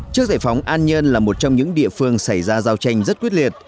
trước giải phóng an nhơn là một trong những địa phương xảy ra giao tranh rất quyết liệt